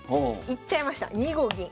いっちゃいました２五銀。